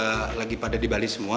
perang itu yields apaan